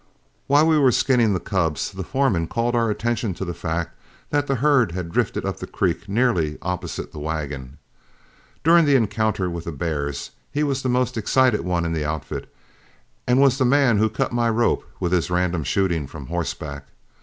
While we were skinning the cubs, the foreman called our attention to the fact that the herd had drifted up the creek nearly opposite the wagon. During the encounter with the bears he was the most excited one in the outfit, and was the man who cut my rope with his random shooting from horseback.